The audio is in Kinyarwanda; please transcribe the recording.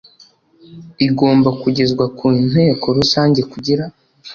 igomba kugezwa ku inteko rusange kugira